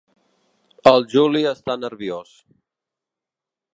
El Juli està nerviós.